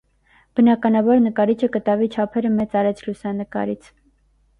Բնականաբար նկարիչը կտավի չափերը մեծ արեց լուսանկարից։